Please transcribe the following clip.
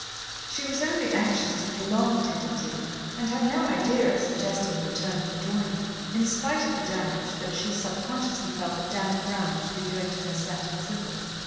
She was only anxious to prolong the tête à tête, and had no idea of suggesting a return to the drawing room, in spite of the damage that she subconsciously felt the damp ground to be doing to her satin slippers.